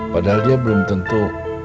padahal dia belum tentu